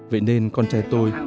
vậy nên con trai tôi